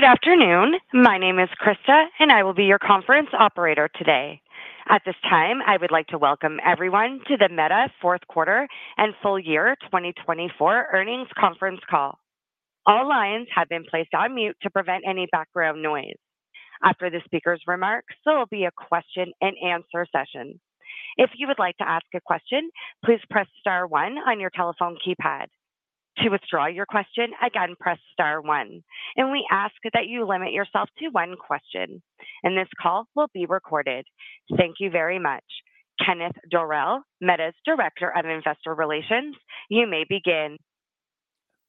Good afternoon. My name is Krista and I will be your conference operator today. At this time I would like to welcome everyone to the Meta fourth quarter and full year 2024 earnings conference call. All lines have been placed on mute to prevent any background noise. After the speaker's remarks, there will be a question and answer session. If you would like to ask a question, please press star one on your telephone keypad to withdraw your question. Again, press star one and we ask that you limit yourself to one question and this call will be recorded. Thank you very much. Kenneth Dorell, Meta's Director of Investor Relations. You may begin.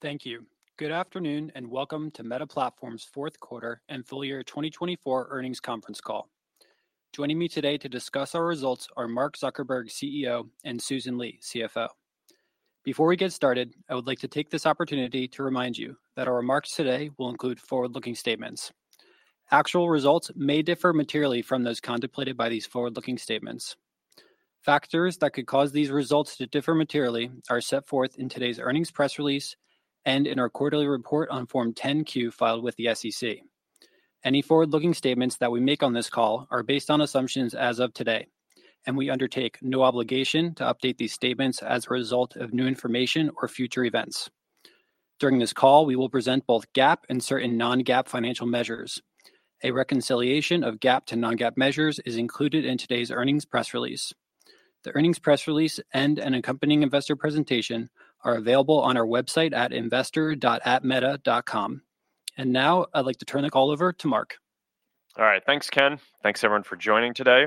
Thank you. Good afternoon and welcome to Meta Platforms' fourth quarter and full year 2024 earnings conference call. Joining me today to discuss our results are Mark Zuckerberg, CEO, and Susan Li, CFO. Before we get started, I would like to take this opportunity to remind you that our remarks today will include forward-looking statements. Actual results may differ materially from those contemplated by these forward-looking statements. Factors that could cause these results to differ materially are set forth in today's earnings press release and in our quarterly report on Form 10-Q filed with the SEC. Any forward-looking statements that we make on this call are based on assumptions as of today and we undertake no obligation to update these statements as a result of new information or future events. During this call we will present both GAAP and certain non-GAAP financial measures. A reconciliation of GAAP to non-GAAP measures is included in today's earnings press release. The earnings press release and an accompanying investor presentation are available on our website investor.fb.com. And now I'd like to turn the call over to Mark. All right, thanks, Ken. Thanks, everyone, for joining today.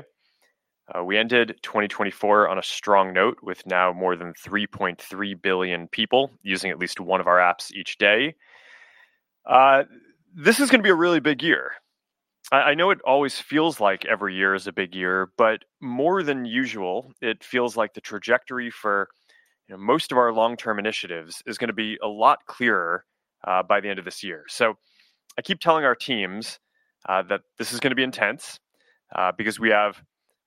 We ended 2024 on a strong note, with now more than 3.3 billion people using at least one of our apps each day. This is going to be a really big year. I know it always feels like every year is a big year, but more than usual, it feels like the trajectory for most of our long-term initiatives is going to be a lot clearer by the end of this year. So I keep telling our teams that this is going to be intense because we have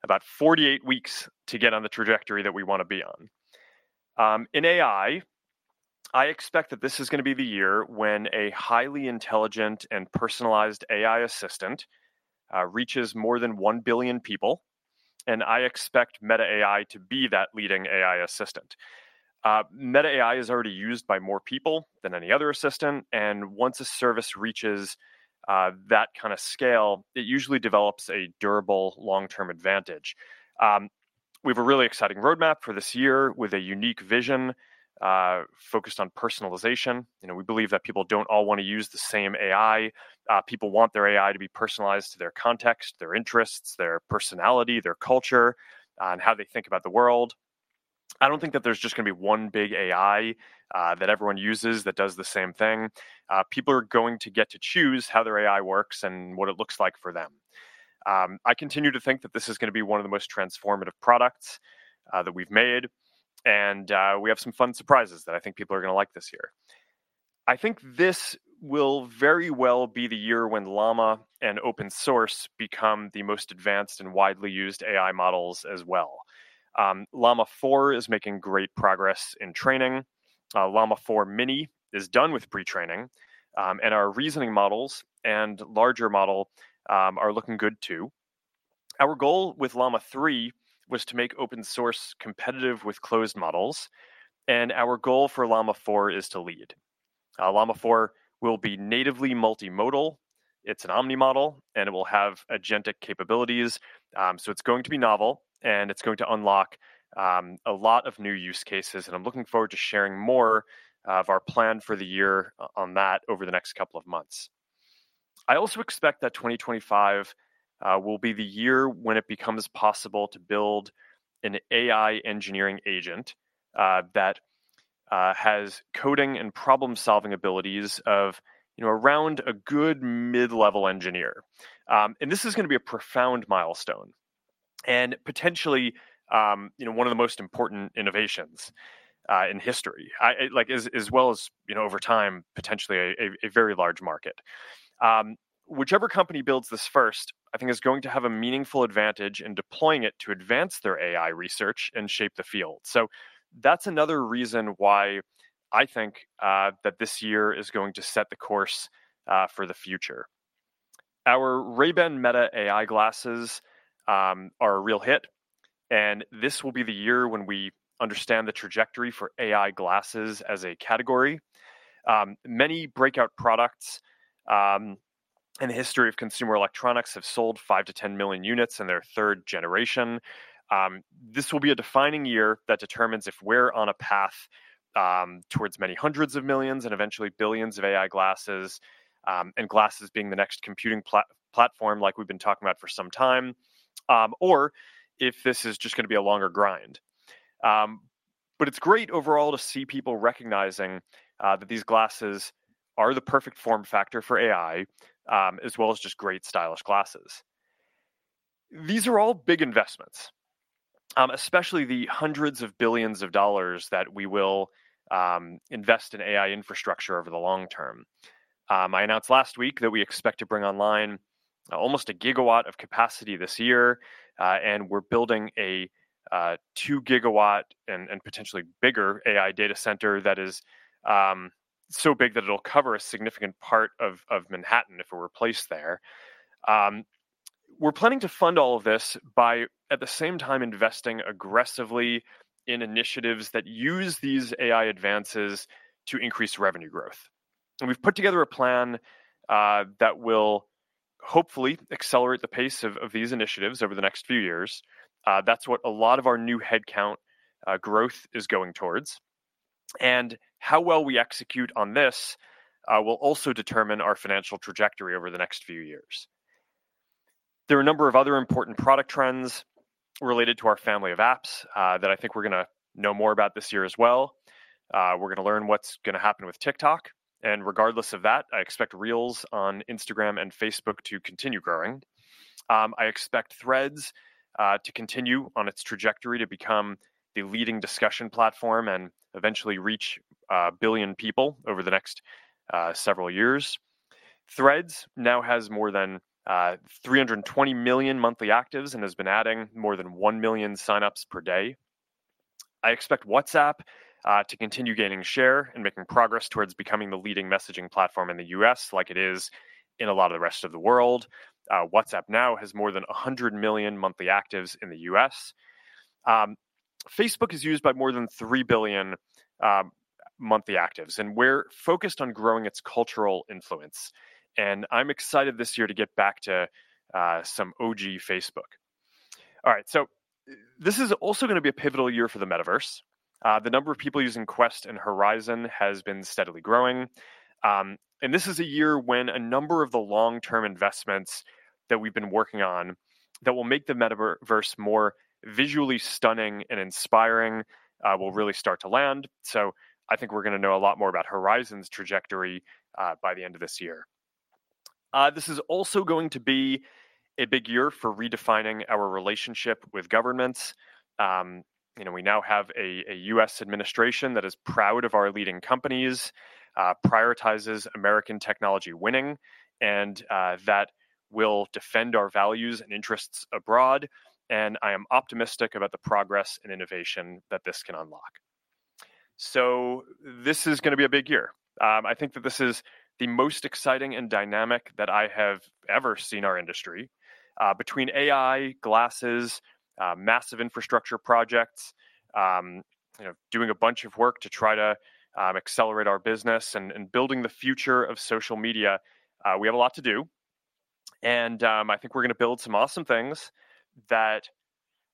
about 48 weeks to get on the trajectory that we want to be on in AI. I expect that this is going to be the year when a highly intelligent and personalized AI assistant reaches more than one billion people. And I expect Meta AI to be that leading AI assistant. Meta AI is already used by more people than any other assistant and once a service reaches that kind of scale, it usually develops a durable long term advantage. We have a really exciting roadmap for this year with a unique vision focused on personalization. We believe that people don't all want to use the same AI. People want their AI to be personalized to their context, their interests, their personality, their culture and how they think about the world. I don't think that there's just going to be one big AI that everyone uses that does the same thing. People are going to get to choose how their AI works and what it looks like for them. I continue to think that this is going to be one of the most transformative products that we've made, and we have some fun surprises that I think people are going to like this year. I think this will very well be the year when Llama and open source become the most advanced and widely used AI models, as well as Llama 4 is making great progress in training. Llama 4 Mini is done with pre-training, and our reasoning models and larger model are looking good too. Our goal with Llama 3 was to make open source competitive with closed models, and our goal for Llama 4 is to lead. Llama 4 will be natively multimodal. It's an omni-model and it will have agentic capabilities. So it's going to be novel and it's going to unlock a lot of new use cases. And I'm looking forward to sharing more of our plan for the year on that over the next couple of months. I also expect that 2025 will be the year when it becomes possible to build an AI engineering agent that has coding and problem-solving abilities of around a good mid-level engineer. And this is going to be a profound milestone and potentially one of the most important innovations in history as well as over time, potentially a very large market. Whichever company builds this first, I think is going to have a meaningful advantage in deploying it to advance their AI research and shape the field. So that's another reason why I think that this year is going to set the course for the future. Our Ray-Ban Meta AI glasses are a real hit and this will be the year when we understand the trajectory for AI glasses as a category. Many breakout products in the history of consumer electronics have sold five to 10 million units in their third generation. This will be a defining year that determines if we're on a path towards many hundreds of millions and eventually billions of AI glasses and glasses being the next computing platform like we've been talking about for some time, or if this is just going to be a longer grind. But it's great overall to see people recognizing that these glasses are the perfect form factor for AI as well as just great stylish glasses. These are all big investments, especially the hundreds of billions of dollars that we will invest in AI infrastructure over the long term. I announced last week that we expect to bring online almost a gigawatt of capacity this year, and we're building a two-gigawatt and potentially bigger AI data center that is so big that it'll cover a significant part of Manhattan if it were placed there. We're planning to fund all of this by at the same time investing aggressively in initiatives that use these AI advances to increase revenue growth. And we've put together a plan that will hopefully accelerate the pace of these initiatives over the next few years. That's what a lot of our new headcount growth is going towards. And how well we execute on this will also determine our financial trajectory over the next few years. There are a number of other important product trends related to our Family of Apps that I think we're going to know more about this year as well. We're going to learn what's going to happen with TikTok, and regardless of that, I expect Reels on Instagram and Facebook to continue growing. I expect Threads to continue on its trajectory, to become the leading discussion platform and eventually reach a billion people over the next several years. Threads now has more than 320 million monthly actives and has been adding more than one million signups per day. I expect WhatsApp to continue gaining share and making progress towards becoming the leading messaging platform in the U.S. like it is in a lot of the rest of the world. WhatsApp now has more than 100 million monthly actives in the U.S. Facebook is used by more than 3 billion monthly actives, and we're focused on growing its cultural influence, and I'm excited this year to get back to some OG Facebook. All right, so this is also going to be a pivotal year for the Metaverse. The number of people using Quest and Horizon has been steadily growing, and this is a year when a number of the long term investments that we've been working on that will make the Metaverse more visually stunning and inspiring will really start to land, so I think we're going to know a lot more about Horizon's trajectory by the end of this year. This is also going to be a big year for redefining our relationship with governments. We now have a U.S. Administration that is proud of our leading companies, prioritizes American technology winning, and that will defend our values and interests abroad and I am optimistic about the progress and innovation that this can unlock, so this is going to be a big year. I think that this is the most exciting and dynamic that I have ever seen. Our industry between AI glasses, massive infrastructure projects, doing a bunch of work to try to accelerate our business, and building the future of social media. We have a lot to do and I think we're going to build some awesome things that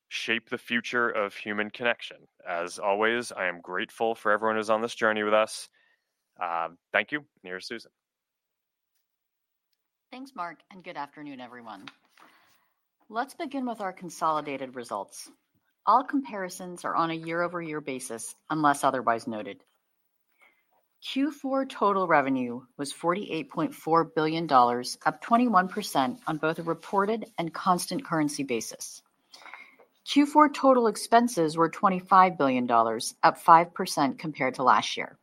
shape the future of human connection. As always, I am grateful for everyone who's on this journey with us. Thank you, Susan. Thanks, Mark, and good afternoon, everyone. Let's begin with our consolidated results. All comparisons are on a year-over-year basis unless otherwise noted. Q4 total revenue was $48.4 billion, up 21% on both a reported and constant currency basis. Q4 total expenses were $25 billion, up 5% compared to last year.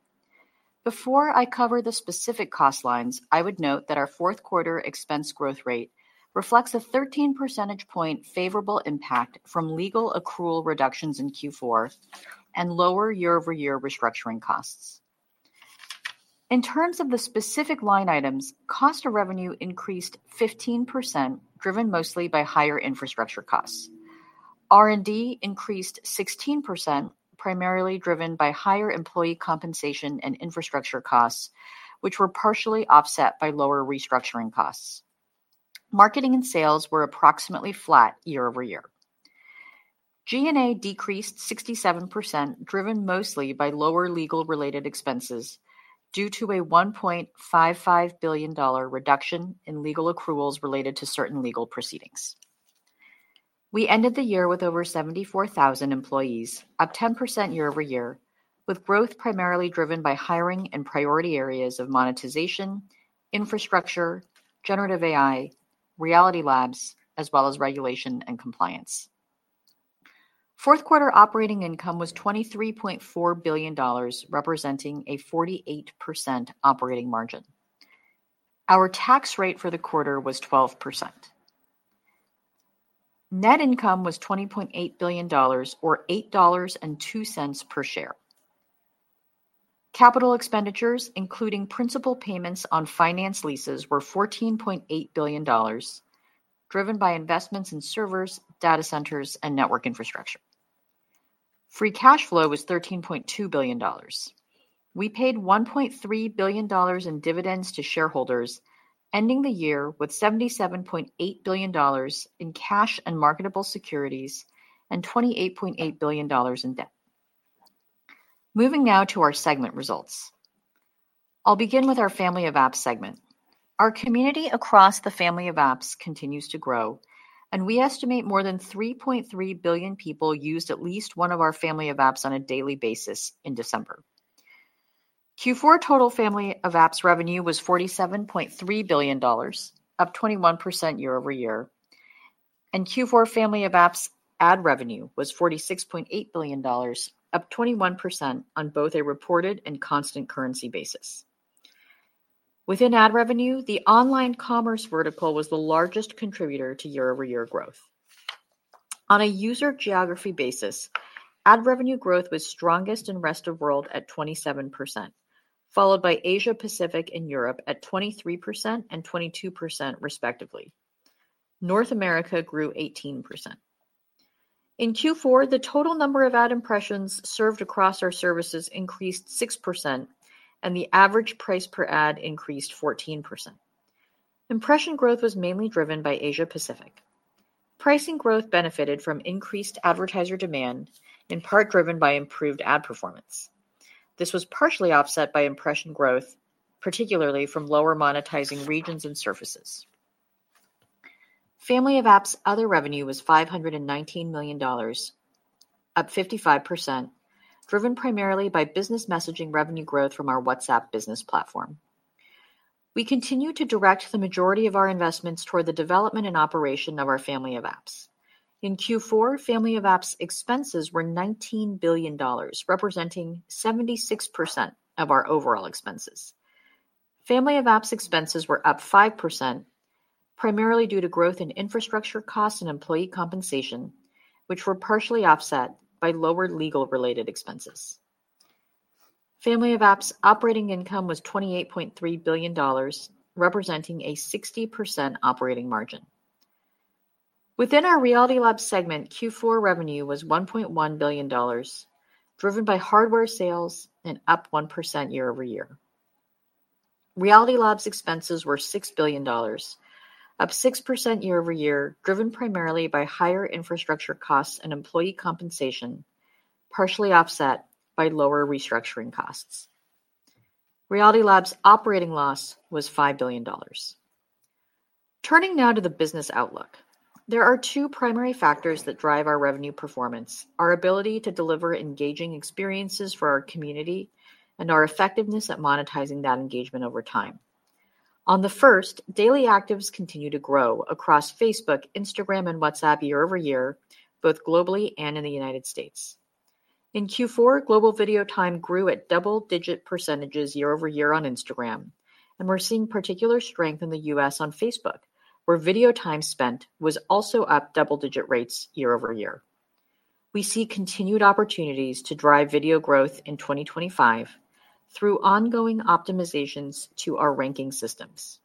Before I cover the specific cost lines, I would note that our fourth quarter expense growth rate reflects a 13 percentage point favorable impact from legal accrual reductions in Q4 and lower year-over-year restructuring costs. In terms of the specific line items, cost of revenue increased 15%, driven mostly by higher infrastructure costs. R&D increased 16%, primarily driven by higher employee compensation and infrastructure costs, which were partially offset by lower restructuring costs. Marketing and sales were approximately flat year over year. G&A decreased 67%, driven mostly by lower legal related expenses due to a $1.55 billion reduction in legal accruals related to certain legal proceedings. We ended the year with over 74,000 employees, up 10% year over year with growth primarily driven by hiring and priority areas of monetization and infrastructure, generative AI, Reality Labs as well as regulation and compliance. Fourth quarter operating income was $23.4 billion, representing a 48% operating margin. Our tax rate for the quarter was 12%. Net income was $20.8 billion, or $8.02 per share. Capital expenditures, including principal payments on finance leases were $14.8 billion, driven by investments in servers, data centers and network infrastructure. Free cash flow was $13.2 billion. We paid $1.3 billion in dividends to shareholders, ending the year with $77.8 billion in cash and marketable securities and $28.8 billion in debt. Moving now to our segment results, I'll begin with our Family of Apps segment. Our community across the Family of Apps continues to grow and we estimate more than 3.3 billion people used at least one of our Family of Apps on a daily basis in December. Q4 total Family of Apps revenue was $47.3 billion, up 21% year over year, and Q4 Family of Apps ad revenue was $46.8 billion, up 21% on both a reported and constant currency basis. Within ad revenue, the online commerce vertical was the largest contributor to year over year growth. On a user geography basis, ad revenue growth was strongest in Rest of World at 27%, followed by Asia Pacific and Europe at 23% and 22% respectively. North America grew 18% in Q4. The total number of ad impressions served across our services increased 6% and the average price per ad increased 14%. Impression growth was mainly driven by Asia Pacific. Pricing growth benefited from increased advertiser demand, in part driven by improved ad performance. This was partially offset by impression growth, particularly from lower monetizing regions and services. Family of Apps other revenue was $519 million, up 55%, driven primarily by business messaging revenue growth from our WhatsApp Business Platform. We continue to direct the majority of our investments toward the development and operation of our Family of Apps. In Q4 Family of Apps expenses were $19 billion, representing 76% of our overall expenses. Family of Apps expenses were up 5%, primarily due to growth in infrastructure costs and employee compensation, which were partially offset by lower legal related expenses. Family of Apps operating income was $28.3 billion, representing a 60% operating margin. Within our Reality Labs segment, Q4 revenue was $1.1 billion, driven by hardware sales and up 1% year over year. Reality Labs expenses were $6 billion, up 6% year over year, driven primarily by higher infrastructure costs and employee compensation, partially offset by lower restructuring costs. Reality Labs' operating loss was $5 billion. Turning now to the business outlook, there are two primary factors that drive our revenue performance our ability to deliver engaging experiences for and our effectiveness at monetizing that engagement over time on the first daily actives continue to grow across Facebook, Instagram and WhatsApp year over year both globally and in the United States. In Q4, global video time grew at double-digit percentages year over year on Instagram and we're seeing particular strength in the US on Facebook where video time spent was also up double-digit rates year over year. We see continued opportunities to drive video growth in 2025 through ongoing optimizations to our ranking systems.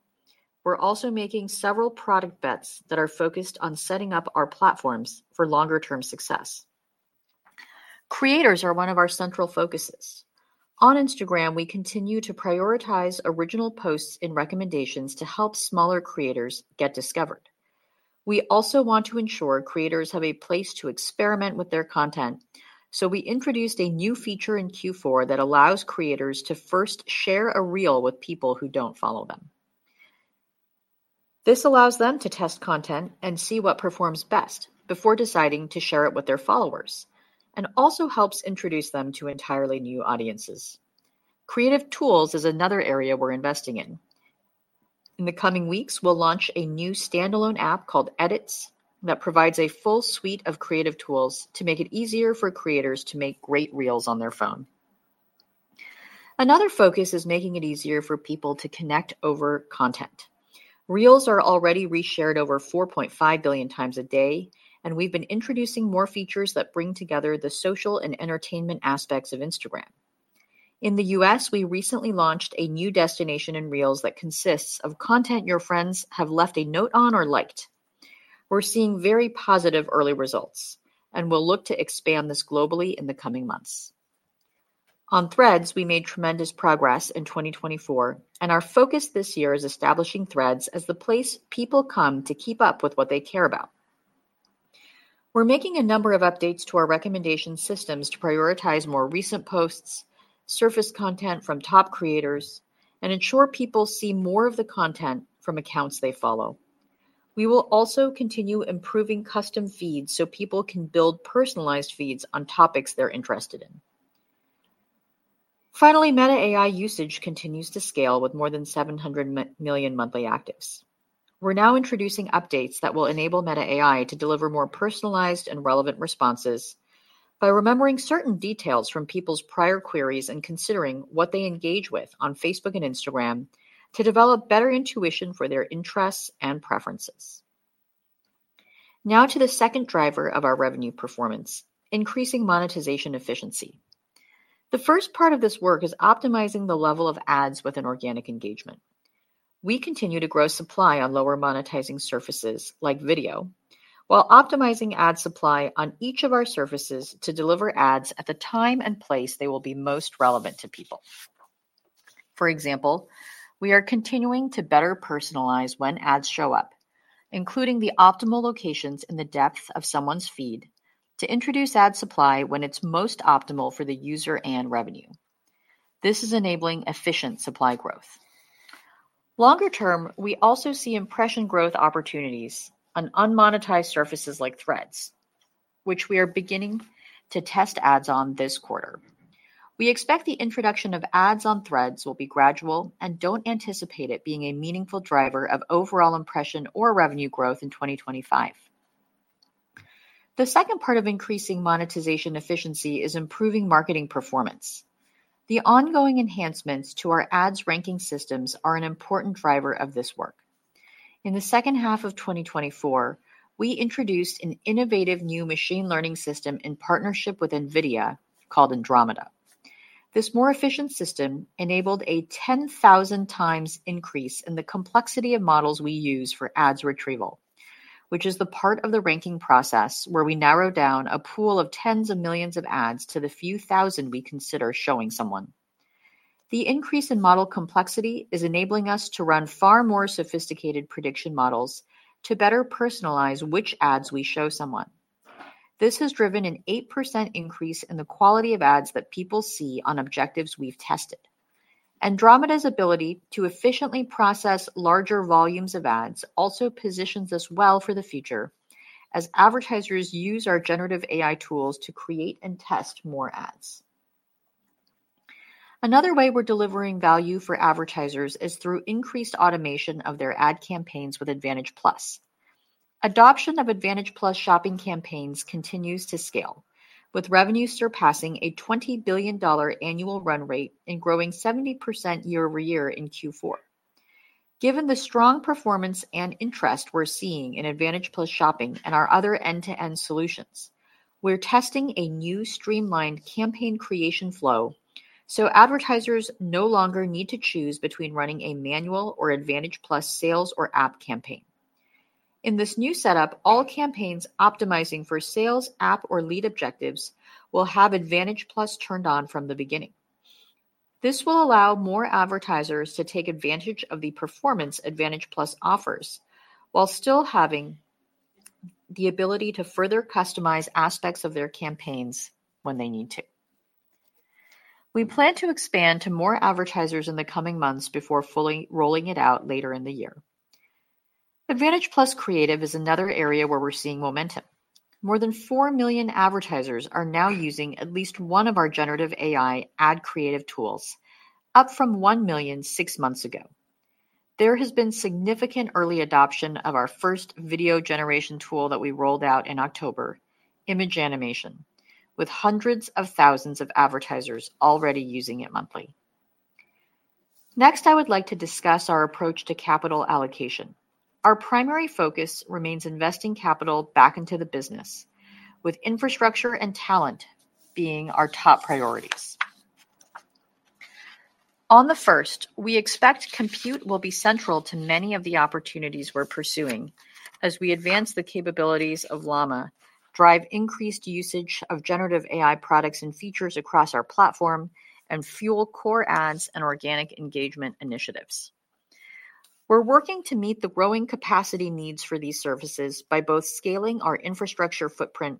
We're also making several product bets that are focused on setting up our platforms for longer term success. Creators are one of our central focuses on Instagram. We continue to prioritize original posts and recommendations to help smaller creators get discovered. We also want to ensure creators have a place to experiment with their content. So we introduced a new feature in Q4 that allows creators to first share a reel with people who don't follow them. This allows them to test content and see what performs best before deciding to share it with their followers, and also helps introduce them to entirely new audiences. Creative tools is another area we're investing in. In the coming weeks, we'll launch a new standalone app called Edits that provides a full suite of creative tools to make it easier for creators to make great Reels on their phone. Another focus is making it easier for people to connect over content. Reels are already reshared over 4.5 billion times a day, and we've been introducing more features that bring together the social and entertainment aspects of Instagram. In the U.S. we recently launched a new destination in Reels that consists of content your friends have left a note on or liked. We're seeing very positive early results and we'll look to expand this globally in the coming months. On Threads we made tremendous progress in 2024 and our focus this year is establishing Threads as the place people come to keep up with what they care about. We're making a number of updates to our recommendation systems to prioritize more recent posts, surface content from top creators, and ensure people see more of the content from accounts they follow. We will also continue improving custom feeds so people can build personalized feeds on topics they're interested in. Finally, Meta AI usage continues to scale with more than 700 million monthly actives. We're now introducing updates that will enable Meta AI to deliver more personalized and relevant responses by remembering certain details from people's prior queries and considering what they engage with on Facebook and Instagram to develop better intuition for their interests and preferences. Now to the second driver of our revenue performance, increasing monetization efficiency. The first part of this work is optimizing the level of ads with an organic engagement. We continue to grow supply on lower monetizing surfaces like video, while optimizing ad supply on each of our surfaces to deliver ads at the time and place they will be most relevant to people. For example, we are continuing to better personalize when ads show up, including the optimal locations in the depth of someone's feed to introduce ad supply when it's most optimal for the user and revenue. This is enabling efficient supply growth. Longer term we also see impression growth opportunities on unmonetized surfaces like Threads, which we are beginning to test ads on, this quarter. We expect the introduction of ads on Threads will be gradual and don't anticipate it being a meaningful driver of overall impression or revenue growth in 2025. The second part of increasing monetization efficiency is improving marketing performance. The ongoing enhancements to our ads ranking systems are an important driver of this work. In the second half of 2024, we introduced an innovative new machine learning system in partnership with Nvidia called Andromeda. This more efficient system enabled a 10,000 times increase in the complexity of models we use for ads retrieval, which is the part of the ranking process where we narrow down a pool of tens of millions of ads to the few thousand we consider showing someone. The increase in model complexity is enabling us to run far more sophisticated prediction models to better personalize which ads we show someone. This has driven an 8% increase in the quality of ads that people see on objectives we've tested. Andromeda's ability to efficiently process larger volumes of ads also positions us well for the future as advertisers use our generative AI tools to create and test more ads. Another way we're delivering value for advertisers is through increased automation of their ad campaigns with Advantage+. Adoption of Advantage+ shopping campaigns continues to scale, with revenue surpassing a $20 billion annual run rate and growing 70% year over year in Q4. Given the strong performance and interest we're seeing in Advantage+ shopping and our other end-to-end solutions, we're testing a new streamlined campaign creation flow so advertisers no longer need to choose between running a manual or Advantage+ sales or app campaign. In this new setup, all campaigns optimizing for sales, app or lead objectives will have Advantage+ turned on from the beginning. This will allow more advertisers to take advantage of the performance Advantage+ offers while still having the ability to further customize aspects of their campaigns when they need to. We plan to expand to more advertisers in the coming months before fully rolling it out later in the year. Advantage+ Creative is another area where we're seeing momentum. More than four million advertisers are now using at least one of our generative AI ad creative tools, up from one million six months ago. There has been significant early adoption of our first video generation tool that we rolled out in October: Image Animation, with hundreds of thousands of advertisers already using it monthly. Next, I would like to discuss our approach to capital allocation. Our primary focus remains investing capital back into the business, with infrastructure and talent being our top priorities. On the first, we expect compute will be central to many of the opportunities we're pursuing as we advance the capabilities of Llama, drive increased usage of generative AI products and features across our platform, and fuel core ads and organic engagement initiatives. We're working to meet the growing capacity needs for these services by both scaling our infrastructure footprint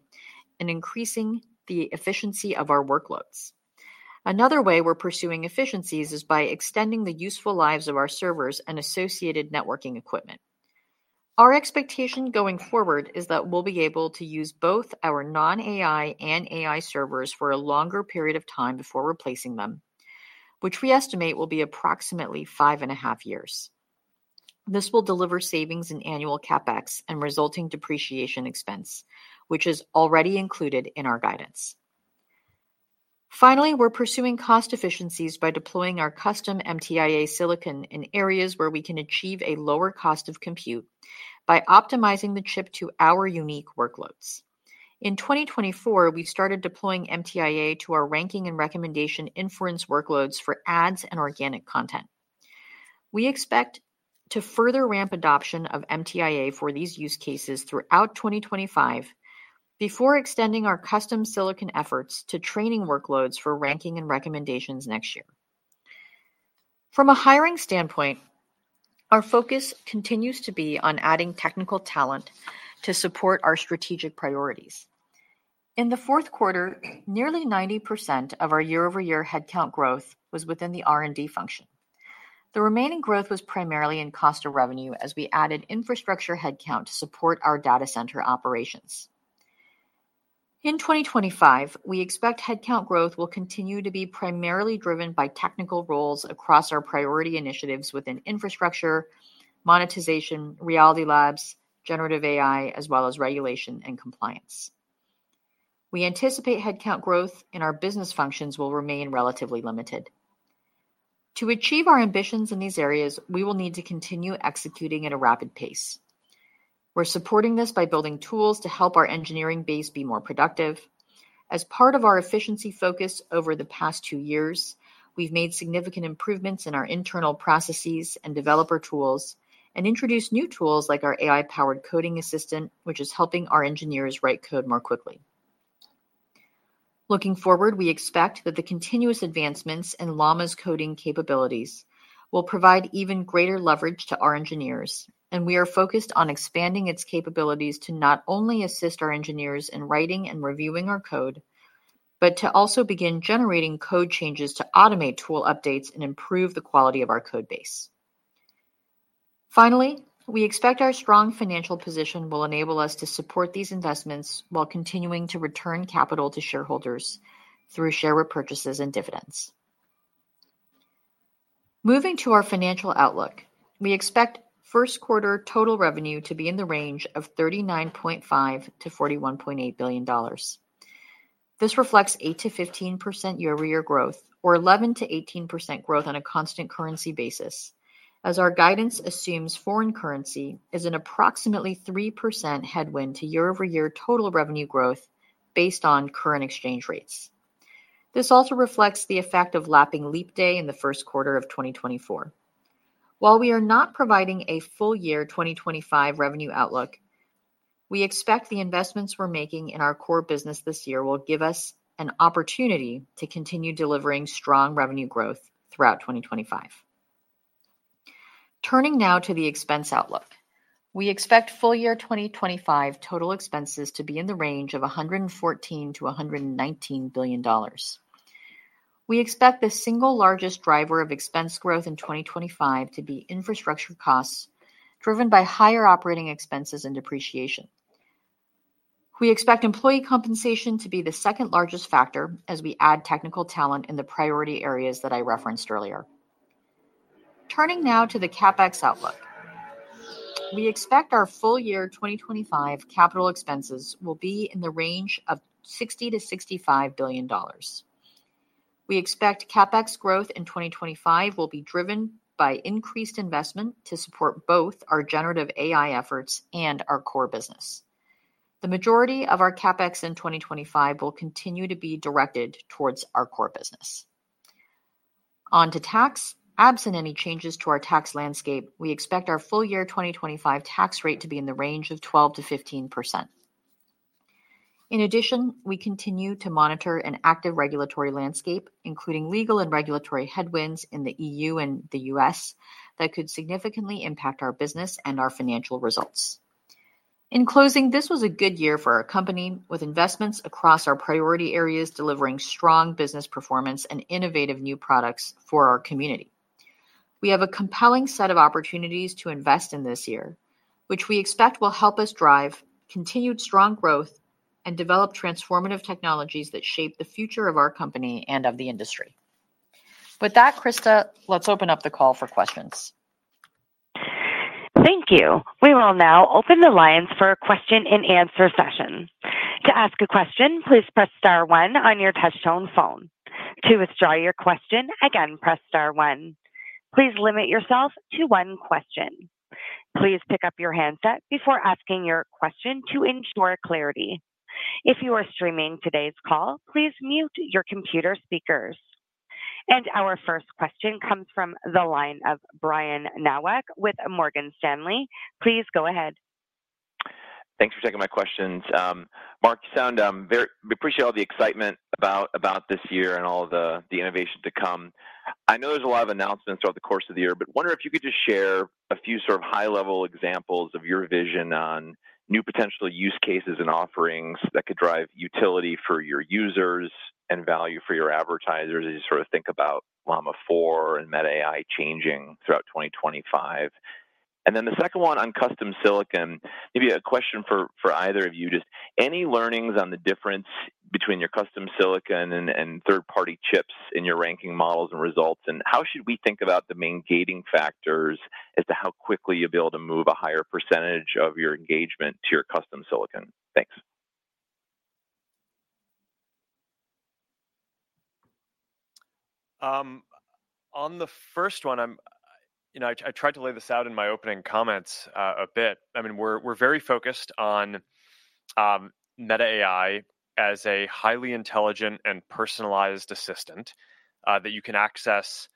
and increasing the efficiency of our workloads. Another way we're pursuing efficiencies is by extending the useful lives of our servers and associated networking equipment. Our expectation going forward is that we'll be able to use both our non-AI and AI servers for a longer period of time before replacing them, which we estimate will be approximately five and a half years. This will deliver savings in annual CapEx and resulting depreciation expenses, which is already included in our guidance. Finally, we're pursuing cost efficiencies by deploying our custom MTIA silicon in areas where we can achieve a lower cost of compute by optimizing the chip to our unique workloads. In 2024, we started deploying MTIA to our ranking and recommendation inference workloads for ads and organic content. We expect to further ramp adoption of MTIA for these use cases throughout 2025 before extending our custom silicon efforts to training workloads for ranking and recommendations next year. From a hiring standpoint, our focus continues to be on adding technical talent to support our strategic priorities. In the fourth quarter, nearly 90% of our year over year headcount growth was within the R and D function. The remaining growth was primarily in cost of revenue as we added infrastructure headcount to support our data center operations. In 2025, we expect headcount growth will continue to be primarily driven by technical roles across our priority initiatives within infrastructure monetization, Reality Labs, generative AI, as well as regulation and compliance. We anticipate headcount growth and our business functions will remain relatively limited. To achieve our ambitions in these areas, we will need to continue executing at a rapid pace. We're supporting this by building tools to help our engineering base be more productive. As part of our efficiency focus over the past two years we've made significant improvements in our internal processes and developer tools and introduced new tools like our AI-powered coding assistant, which is helping our engineers write code more quickly. Looking forward, we expect that the continuous advancements in Llama's coding capabilities will provide even greater leverage to our engineers, and we are focused on expanding its capabilities to not only assist our engineers in writing and reviewing our code, but to also begin generating code changes to automate tool updates and improve the quality of our code base. Finally, we expect our strong financial position will enable us to support these investments while continuing to return capital to shareholders through share repurchases and dividends. Moving to our financial outlook, we expect first quarter total revenue to be in the range of $39.5 billion-$41.8 billion. This reflects 8%-15% year over year growth or 11%-18% growth on a constant currency basis. As our guidance assumes, foreign currency is an approximately 3% headwind to year over year total revenue growth based on current exchange rates. This also reflects the effect of lapping leap day in the first quarter of 2024. While we are not providing a full year 2025 revenue outlook, we expect the investments we're making in our core business this year will give us an opportunity to continue delivering strong revenue growth throughout 2025. Turning now to the expense outlook, we expect full year 2025 total expenses to be in the range of $114 billion-$119 billion. We expect the single largest driver of expense growth in 2025 to be infrastructure costs driven by higher operating expenses and depreciation. We expect employee compensation to be the second largest factor as we add technical talent in the priority areas that I referenced earlier. Turning now to the CapEx outlook, we expect our full year 2025 capital expenses will be in the range of $60 billion-$65 billion. We expect CapEx growth in 2025 will be driven by increased investment to support both our generative AI efforts and our core business. The majority of our CapEx in 2025 will continue to be directed towards our core business. On to tax. Absent any changes to our tax landscape, we expect our full year 2025 tax rate to be in the range of 12%-15%. In addition, we continue to monitor an active regulatory landscape, including legal and regulatory headwinds in the EU and the U.S. that could significantly impact our business and our financial results. In closing, this was a good year for our company with investments across our priority areas delivering strong business performance and innovative new products for our community. We have a compelling set of opportunities to invest in this year which we expect will help us drive continued strong growth and develop transformative technologies that shape the future of our company and of the industry. With that, Krista, let's open up the call for questions. Thank you. We will now open the lines for a question and answer session. To ask a question, please press Star one on your touchtone phone. To withdraw your question again, press Star one. Please limit yourself to one question. Please pick up your handset before asking your question, to ensure clarity. If you are streaming today's call, please mute your computer speakers, and our first question comes from the line of Brian Nowak with Morgan Stanley. Please go ahead. Thanks for taking my questions, Mark. You sound very well. We appreciate all the excitement about this year and all the innovation to come. I know there's a lot of announcements throughout the course of the year, but wonder if you could just share a few sort of high-level examples of your vision on new potential use cases and offerings that could drive utility for your users and value for your advertisers. As you sort of think about Llama 4 and Meta AI changing throughout 2025 and then the second one on custom silicon. Maybe a question for either of you. Just any learnings on the difference between your custom silicon and third-party chips in your ranking models and results and how should we think about the main gating factors as to how quickly you'll be able to move a higher percentage of your engagement to your custom silicon? Thanks. On the first one, I tried to lay this out in my opening comments a bit. I mean we're very focused on Meta AI as a highly intelligent and personalized assistant that you can access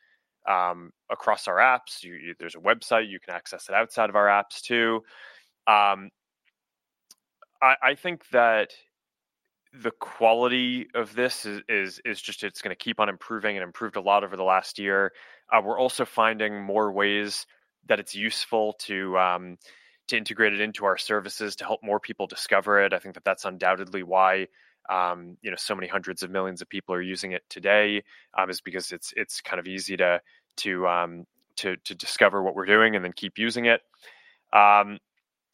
across our apps. There's a website, you can access it outside of our apps too. I think that the quality of this is just, it's going to keep on improving and improved a lot over the last year. We're also finding more ways that it's useful to integrate it into our services to help more people discover it. I think that that's undoubtedly why so many hundreds of millions of people are using it today, is because it's kind of easy to discover what we're doing and then keep using it. I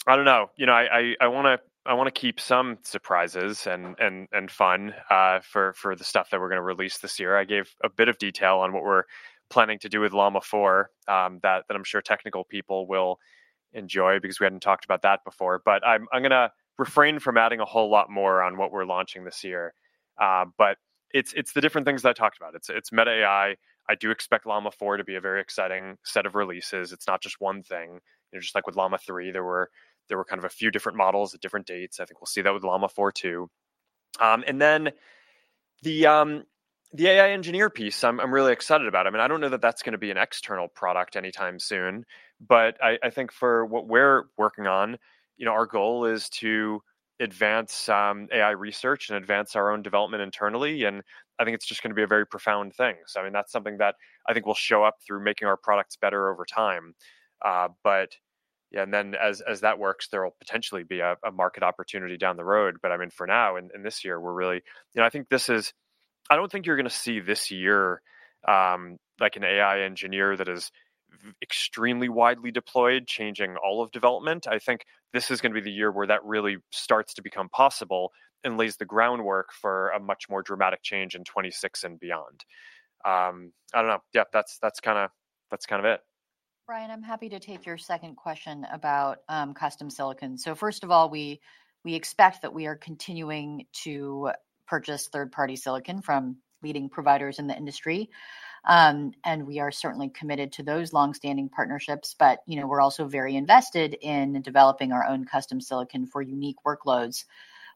don't know. I want to keep some surprises and fun for the stuff that we're going to release this year. I gave a bit of detail on what we're planning to do with Llama 4 that I'm sure technical people will enjoy because we hadn't talked about that before, but I'm going to refrain from adding a whole lot more on what we're launching this year, but it's the different things that I talked about. It's Meta AI. I do expect Llama 4 to be a very exciting set of releases. It's not just one thing. Just like with Llama 3, there were a few different models at different dates. I think we'll see that with Llama 4 too, and then the AI engineer piece I'm really excited about. I mean, I don't know that that's going to be an external product anytime soon. But I think for what we're working on, you know, our goal is to advance AI research and advance our own development internally and I think it's just going to be a very profound thing. So I mean that's something that I think will show up through making our products better over time. But yeah, and then as that works, there will potentially be a market opportunity down the road. But I mean for now in this year we're really, you know, I think this is, I don't think you're going to see this year like an AI engineer that is extremely widely deployed changing all of development. I think this is going to be the year where that really starts to become possible and lays the groundwork for a much more dramatic change in 2026 and beyond. I don't know. Yeah, that's, that's kind of, that's kind of it. Brian, I'm happy to take your second question about custom silicon. So first of all we expect that we are continuing to purchase third-party silicon from leading providers in the industry and we are certainly committed to those long-standing partnerships. But you know, we're also very invested in developing our own custom silicon for unique workloads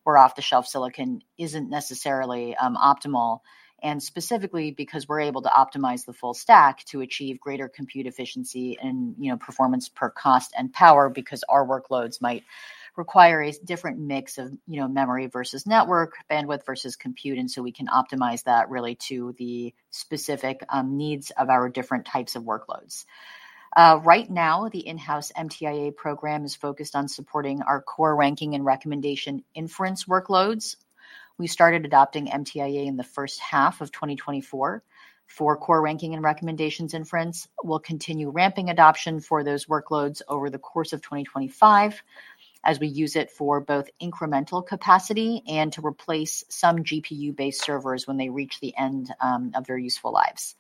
where off-the-shelf silicon isn't necessarily optimal. And specifically because we're able to optimize the full stack to achieve greater compute efficiency and you know, performance per cost and power, because our workloads might require a different mix of, you know, memory versus network bandwidth versus compute. And so we can optimize that really to the specific needs of our different types of workloads. Right now the in-house MTIA program is focused on supporting our core ranking and recommendation inference workloads. We started adopting MTIA in the first half of 2024 for core ranking and recommendations inference. We'll continue ramping adoption for those workloads over the course of 2025 as we use it for both incremental capacity and to replace some GPU based servers when they reach the end of their useful lives.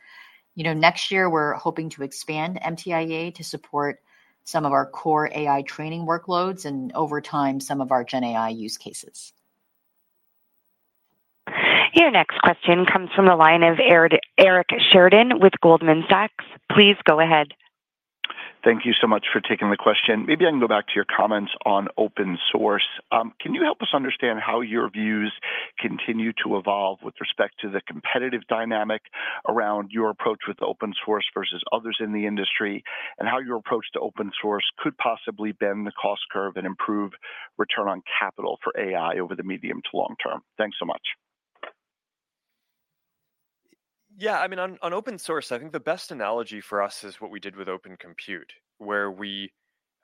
Next year we're hoping to expand MTIA to support some of our core AI training workloads and over time some of our GenAI use cases. Your next question comes from the line of Eric Sheridan with Goldman Sachs. Please go ahead. Thank you so much for taking the question. Maybe I can go back to your comments on open source. Can you help us understand how your views continue to evolve with respect to the competitive dynamic around your approach with open source versus others in the industry and how your approach to open source could possibly bend the cost curve and improve return on capital for AI over the medium to long term? Thanks so much. Yeah, I mean, on open source, I think the best analogy for us is what we did with Open Compute where we,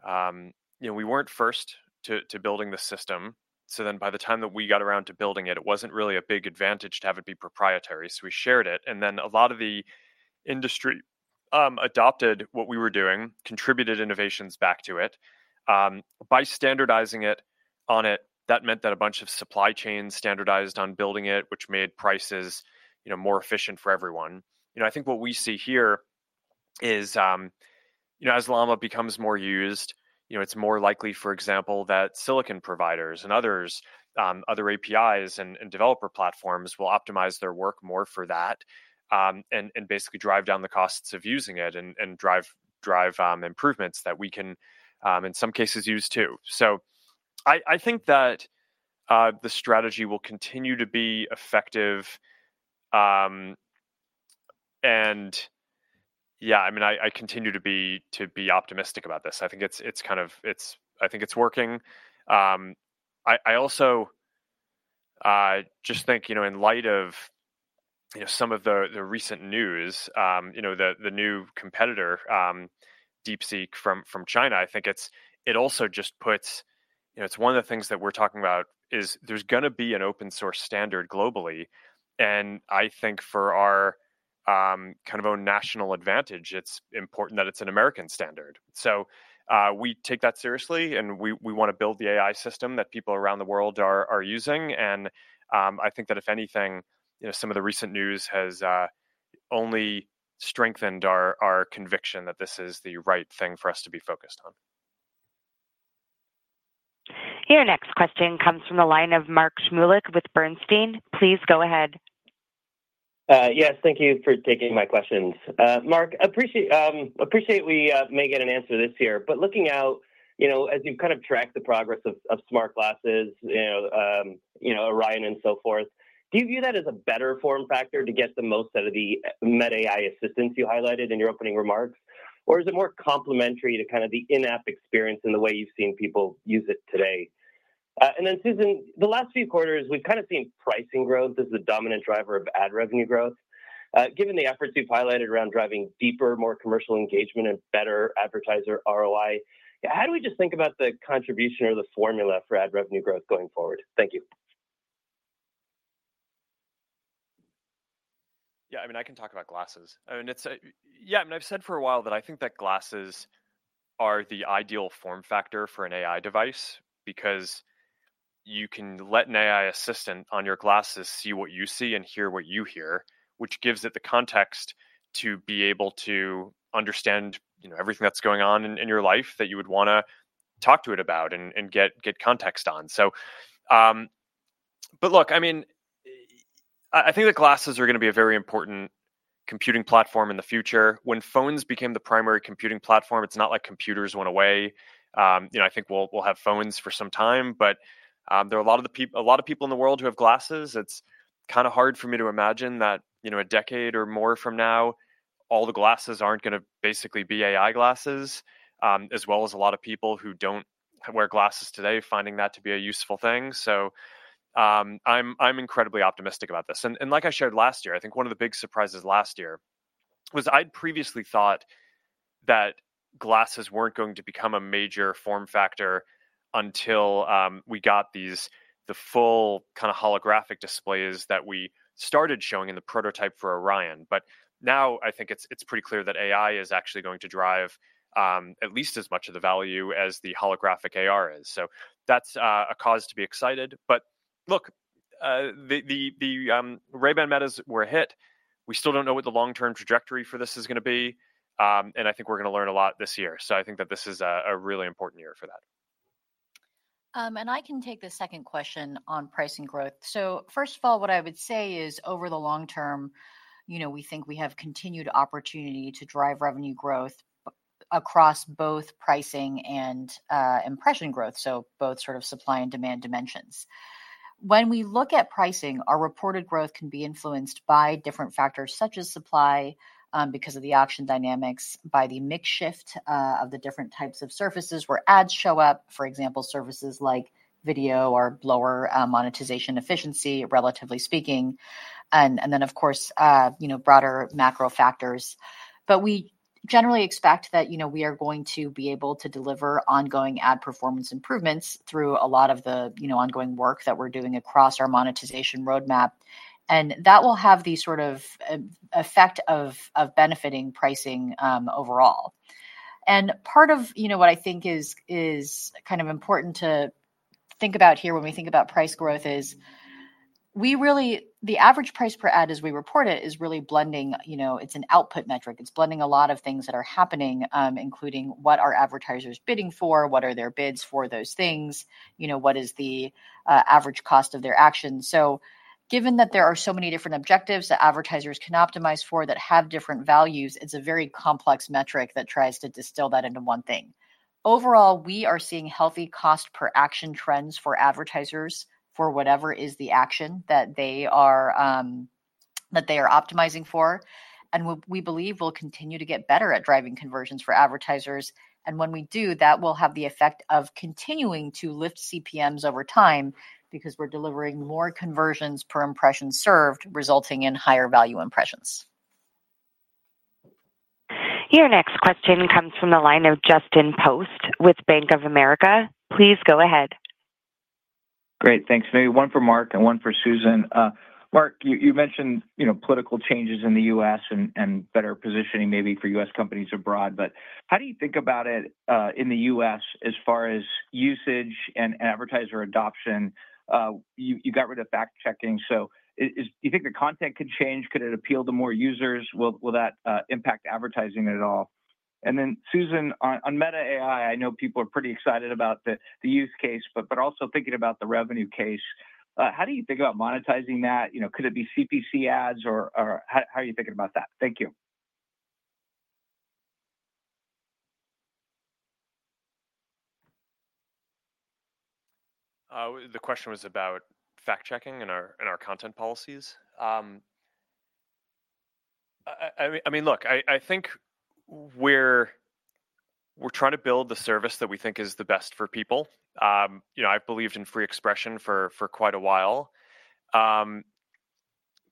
you know, we weren't first to building the system. So then by the time that we got around to building it, it wasn't really a big advantage to have it be proprietary. So we shared it and then a lot of the industry adopted what we were doing, contributed innovations back to it by standardizing it on it. That meant that a bunch of supply chains standardized on building it, which made prices, you know, more efficient for everyone. You know, I think what we see here is, you know, as Llama becomes more used, you know, it's more likely, for example, that silicon providers and others, other APIs and developer platforms will optimize their work more for that and basically drive down the costs of using it and drive improvements that we can in some cases use too. So I think that the strategy will continue to be effective. And yeah, I mean, I continue to be optimistic about this. I think it's kind of, I think it's working. I also just think in light of some of the recent news, the new competitor DeepSeek from China, I think it's, it also just puts, you know, it's one of the things that we're talking about is there's going to be an open source standard globally. I think for our kind of own national advantage, it's important that it's an American standard. We take that seriously and we want to build the AI system that people around the world are using. I think that if anything, you know, some of the recent news has only strengthened our conviction that this is the right thing for us to be focused on. Your next question comes from the line of Mark Shmulik with Bernstein. Please go ahead. Yes, thank you for taking my questions, Mark. Appreciate we may get an answer this year. But looking out, you know, as you've kind of tracked the progress of smart glasses, Orion and so forth, do you view that as a better form factor to get the most out of the Meta AI assistance you highlighted in your opening remarks, or is it more complementary to kind of the in app experience and the way you've seen people use it today? And then Susan, the last few quarters, we've kind of seen pricing growth as the dominant driver of ad revenue growth. Given the efforts you've highlighted around driving deeper, more commercial engagement and better advertiser ROI, how do we just think about the contribution or the formula for ad revenue growth going forward. Thank you. Yeah, I mean, I can talk about glasses. Yeah. I've said for a while that I think that glasses are the ideal form factor for an AI device because you can let an AI assistant on your glasses see what you see and hear what you hear, which gives it the context to be able to understand everything that's going on in your life that you would want to talk to it about and get context on. So, but look, I mean, I think that glasses are going to be a very important computing platform in the future. When phones became the primary computing platform. It's not like computers went away. You know, I think we'll have phones for some time, but there are a lot of people in the world who have glasses. It's kind of hard for me to imagine that, you know, a decade or more from now all the glasses aren't going to basically be AI glasses as well as a lot of people who don't wear glasses today finding that to be a useful thing. So I'm incredibly optimistic about this. And like I shared last year, I think one of the big surprises last year was I'd previously thought that glasses weren't going to become a major form factor until we got these, the full kind of holographic displays that we started showing in the prototype for Orion. But now I think it's pretty clear that AI is actually going to drive at least as much of the value as the holographic AR is. So that's a cause to be excited. But look, the Ray-Ban Metas were a hit. We still don't know what the long term trajectory for this is going to be and I think we're going to learn a lot this year. So I think that this is a really important year for that. I can take the second question on pricing growth. First of all, what I would say is over the long term, you know, we think we have continued opportunity to drive revenue growth across both pricing and impression growth. Both sort of supply and demand dimensions. When we look at pricing, our reported growth can be influenced by different factors such as supply because of the auction dynamics, by the mix shift of the different types of surfaces where ads show up, for example, services like video or lower monetization efficiency, relatively speaking, and then of course, you know, broader macro factors. But we generally expect that, you know, we are going to be able to deliver ongoing ad performance improvements through a lot of the, you know, ongoing work that we're doing across our monetization roadmap, and that will have the sort of effect of benefiting pricing overall. And part of, you know, what I think is kind of important to think about here when we think about price growth, is we really the average price per ad as we report it is really blending, you know, it's an output metric. It's blending a lot of things that are happening, including what are advertisers bidding for, what are their bids for those things, you know, what is the average cost of their actions? So given that there are so many different objectives that advertisers can optimize for that have different values, it's a very complex metric that tries to distill that into one thing. Overall, we are seeing healthy cost per action trends for advertisers for whatever is the action that they are optimizing for. And we believe we'll continue to get better at driving conversions for advertisers. And when we do, that will have the effect of continuing to lift CPMs over time because we're delivering more conversions per impression served, resulting in higher value impressions. Your next question comes from the line of Justin Post with Bank of America. Please go ahead. Great, thanks. Maybe one for Mark and one for Susan. Mark, you mentioned, you know, political changes in the U.S. and better positioning maybe for U.S. companies abroad. But how do you think about it in the U.S. as far as usage and advertiser adoption? You got rid of fact checking. So do you think the content could change? Could it appeal to more users? Will that impact advertising at all? And then Susan, on Meta AI, I know people are pretty excited about the use case, but also thinking about the revenue case, how do you think about monetizing that? Could it be CPC ads or how are you thinking about that? Thank you. The question was about fact checking and our content policies. I mean, look, I think we're trying to build the service that we think is the best for people. I've believed in free expression for quite a while.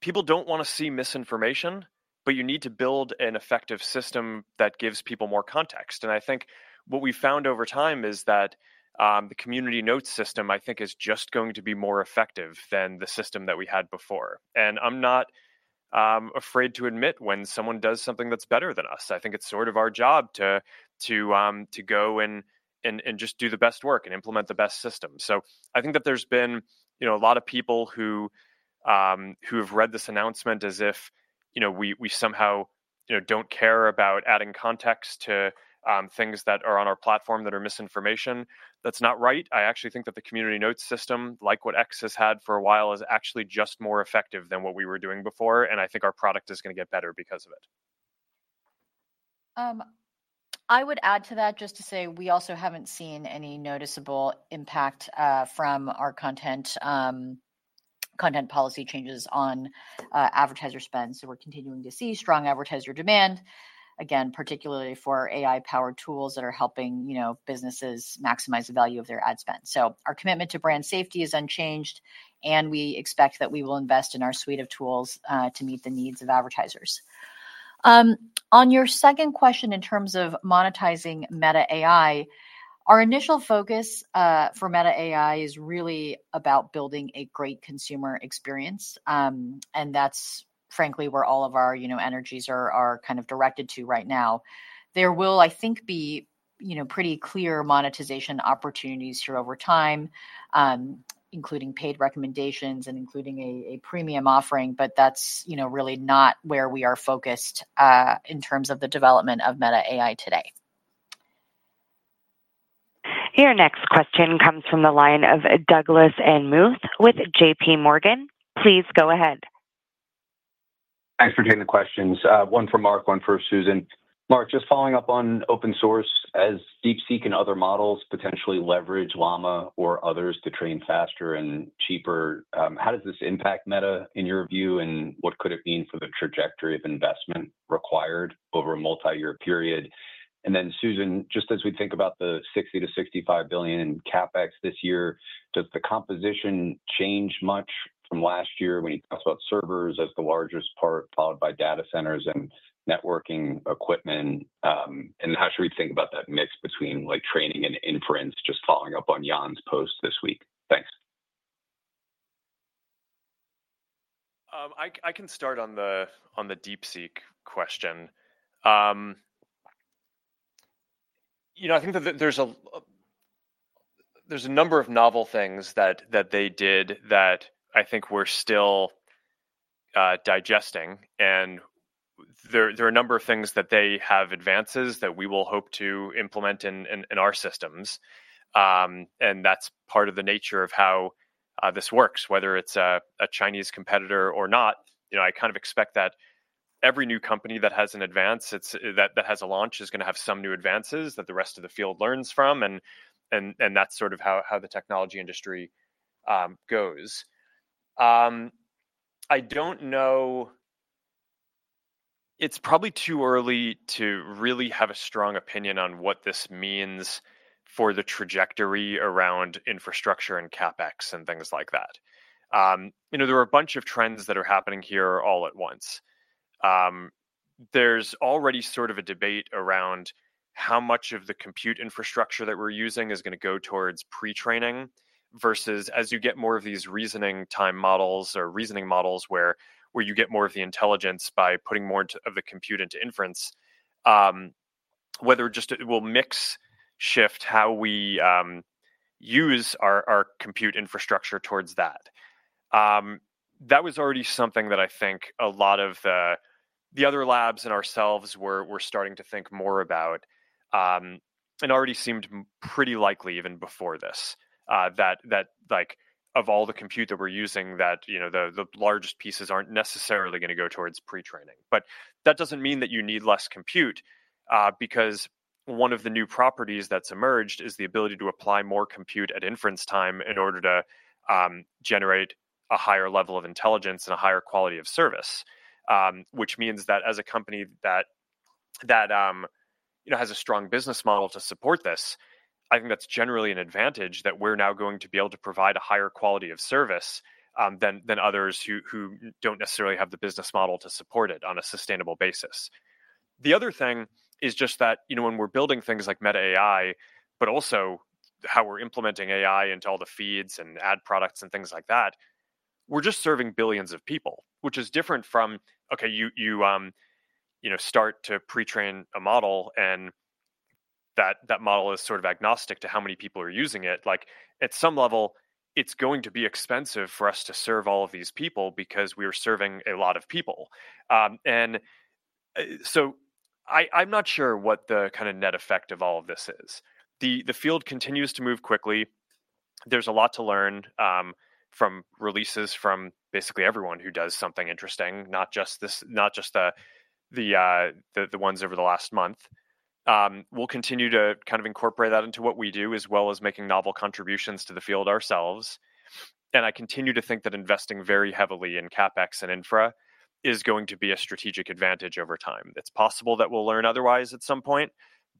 People don't want to see misinformation. But you need to build an effective system that gives people more context. And I think what we found over time is that the Community Notes system, I think is just going to be more effective than the system that we had before. And I'm not afraid to admit when someone does something that's better than us, I think it's sort of our job to go and just do the best work and implement the best system. So I think that there's been a lot of people who have read this announcement as if we somehow, you know, don't care about adding context to things that are on our platform that are misinformation, that's not right. I actually think that the community notes system like what X has had for a while is actually just more effective than what we were doing before and I think our product is going to get better because of it. I would add to that just to say we also haven't seen any noticeable impact from our content policy changes on advertiser spend. So we're continuing to see strong advertiser demand again, particularly for AI-powered tools that are helping, you know, businesses maximize the value of their ad spend. So our commitment to brand safety is unchanged and we expect that we will invest in our suite of tools to meet the needs of advertisers. On your second question, in terms of monetizing Meta AI, our initial focus for Meta AI is really about building a great consumer experience and that's frankly where all of our, you know, energies are kind of directed to right now. There will, I think, be, you know, pretty clear monetization opportunities here over time, including paid recommendations and including a premium offering. But that's, you know, really not where we are focused in terms of the development of Meta AI today. Your next question comes from the line of Douglas Anmuth with J.P. Morgan. Please go ahead. Thanks for taking the questions. One for Mark, one for Susan. Mark, just following up on open source as DeepSeek and other models potentially leverage Llama or others to train faster and cheaper, how does this impact Meta in your view and what could it mean for the trajectory of investment required over a multi-year period? And then Susan, just as we think about the $60 billion-$65 billion CapEx this year, does the composition change much from last year when he talks about servers as the largest part followed by data centers and networking equipment. And how should we think about that mix between like training and inference? Just following up on Yann's post this week. Thanks. I can start on the DeepSeek question. You know, I think that there's a number of novel things that they did that I think we're still digesting and there are a number of things that they have, advances that we will hope to implement in our systems and that's part of the nature of how this works, whether it's a Chinese competitor or not. I kind of expect that every new company that has an advance, that has a launch is going to have some new advances that the rest of the field learns from, and that's sort of how the technology industry goes, I don't know. It's probably too early to really have a strong opinion on what this means for the trajectory around infrastructure and CapEx and things like that. There are a bunch of trends that are happening here all at once. There's already sort of a debate around how much of the compute infrastructure that we're using is going to go towards pre-training versus as you get more of these reasoning time models or reasoning models where you get more of the intelligence by putting more of the compute into inference, whether just will mix shift how we use our compute infrastructure towards that. That was already something that I think a lot of the other labs and ourselves were starting to think more about and already seemed pretty likely even before this that like of all the compute that we're using that you know, the largest pieces aren't necessarily going to go towards pre-training. But that doesn't mean that you need less compute because one of the new properties that's emerged is the ability to apply more compute at inference time in order to generate a higher level of intelligence and a higher quality of service. Which means that as a company that has a strong business model to support this, I think that's generally an advantage that we're now going to be able to provide a higher quality of service than others who don't necessarily have the business model to support it on a sustainable basis. The other thing is just that when we're building things like Meta AI, but also how we're implementing AI into all the feeds and ad products and things like that, we're just serving billions of people, which is different from okay, you know, start to pre-train a model and that model is sort of agnostic to how many people are using it. Like at some level it's going to be expensive for us to serve all of these people because we are serving a lot of people. And so I'm not sure what the kind of net effect of all of this is. The field continues to move quickly. There's a lot to learn from releases from basically everyone who does something interesting, not just the ones over the last month. We'll continue to kind of incorporate that into what we do as well as making novel contributions to the field ourselves. And I continue to think that investing very heavily in CapEx and infrastructure is going to be a strategic advantage over time. It's possible that we'll learn otherwise at some point,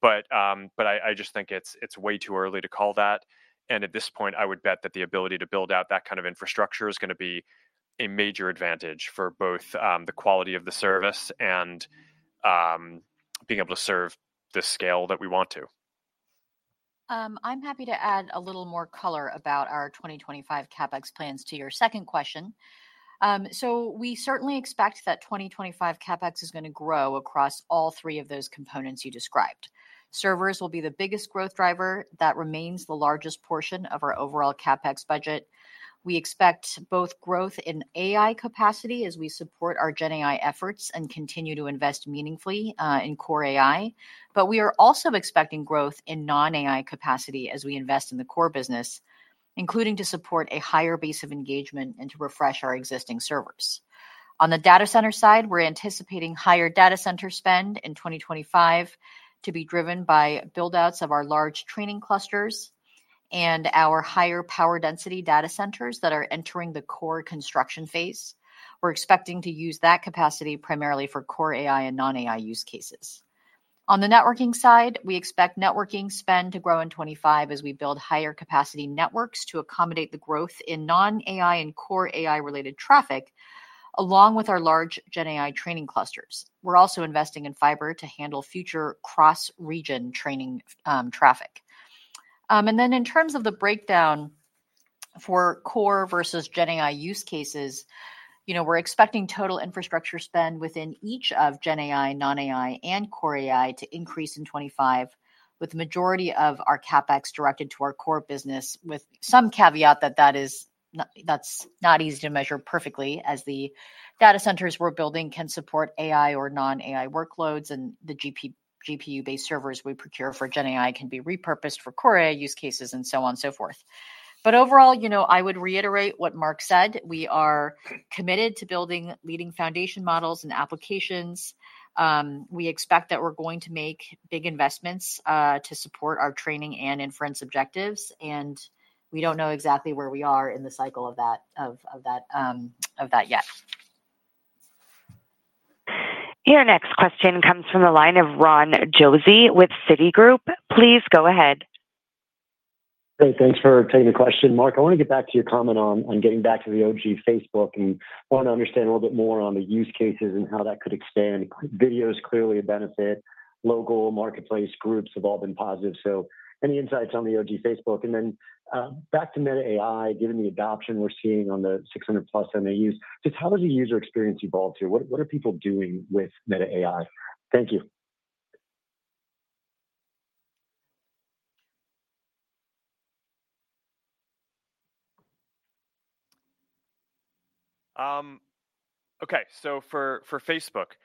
but I just think it's way too early to call that and at this point I would bet that the ability to build out that kind of infrastructure is going to be a major advantage for both the quality of the service and being able to serve the scale that we want to. I'm happy to add a little more color about our 2025 CapEx plans to your second question. So we certainly expect that 2025 CapEx is going to grow across all three of those components you described. Servers will be the biggest growth driver that remains the largest portion of our overall CapEx budget. We expect both growth in AI capacity as we support our Gen AI efforts and continue to invest meaningfully in core AI. But we are also expecting growth in non-AI capacity as we invest in the core business, including to support a higher base of engagement and to refresh our existing servers. On the data center side, we're anticipating higher data center spend in 2025 to be driven by build outs of our large training clusters and our higher power density data centers that are entering the core construction phase. We're expecting to use that capacity primarily for core AI and non-AI use cases. On the networking side, we expect networking spend to grow in 2025 as we build higher capacity networks to accommodate the growth non-AI and core AI related traffic. Along with our large Gen AI training clusters, we're also investing in fiber to handle future cross-region training traffic. Then in terms of the breakdown for core versus Gen AI use cases, you know, we're expecting total infrastructure spend within each of Gen AI, non-AI and core AI to increase in 2025 with the majority of our CapEx directed to our core business. With some caveat that is, that's not easy to measure perfectly as the data centers we're building can support AI or non-AI workloads and the GPU-based servers we procure for GenAI can be repurposed for core use cases and so on so forth. But overall, you know, I would reiterate what Mark said. We are committed to building leading foundation models and applications. We expect that we're going to make big investments to support our training and inference objectives and we don't know exactly where we are in the cycle of that yet. Your next question comes from the line of Ron Josey with Citigroup. Please go ahead. Great. Thanks for taking the question, Mark. I want to get back to your comment on getting back to the OG Facebook and want to understand a little bit more on the use cases and how that could expand. Video is clearly a benefit. Local marketplace groups have all been positive. So any insights on the OG Facebook and then back to Meta AI given the adoption we're seeing on the 600 Plus MAUs, just how does the user experience evolve here? What are people doing with Meta AI? Thank you. Okay, so for Facebook,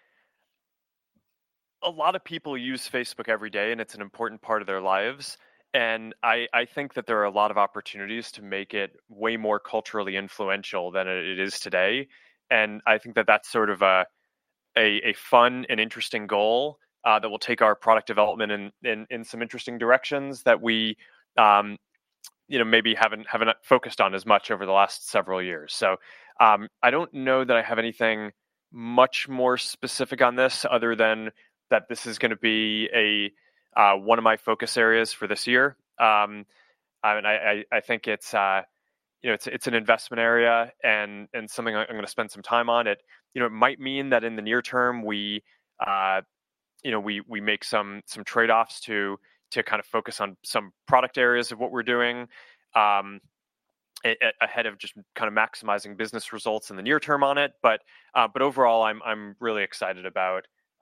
a lot of people use Facebook every day and it's an important part of their lives, and I think that there are a lot of opportunities to make it way more culturally influential than it is today, and I think that that's sort of a fun and interesting goal that will take our product development in some interesting directions that we maybe haven't focused on as much over the last several years, so I don't know that I have anything much more specific on this other than that this is going to be one of my focus areas for this year. I think it's an investment area and something I'm going to spend some time on. It might mean that in the near term we make some trade-offs to focus on some product areas of what we're doing ahead of just kind of maximizing business results in the near term on it. But overall I'm really excited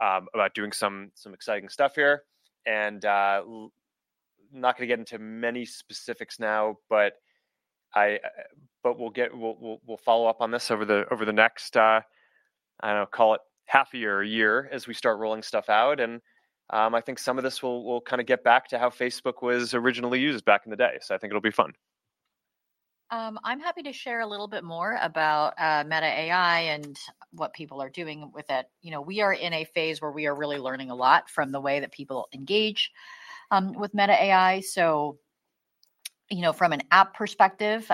about doing some exciting stuff here and not going to get into many specifics now, but we'll follow up on this over the next, I don't know, call it half a year or year as we start rolling stuff out, and I think some of this will kind of get back to how Facebook was originally used back in the day, so I think it'll be fun. I'm happy to share a little bit more about Meta AI and what people are doing with it. You know, we are in a phase where we are really learning a lot from the way that people engage with Meta AI. So, you know, from an app perspective,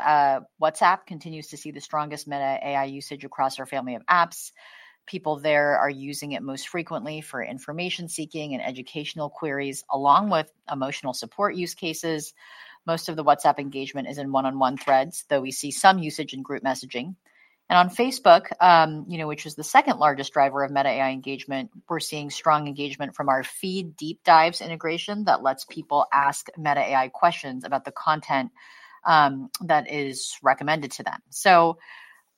WhatsApp continues to see the strongest Meta AI usage across our Family of Apps. People there are using it most frequently for information seeking and educational queries along with emotional support use cases. Most of the WhatsApp engagement is in one-on-one threads, though we see some usage in group messaging and on Facebook. You know, which is the second largest driver of Meta AI engagement. We're seeing strong engagement from our Feed Deep Dives integration that lets people ask Meta AI questions about the content that is recommended to them.